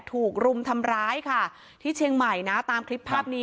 รุมทำร้ายค่ะที่เชียงใหม่นะตามคลิปภาพนี้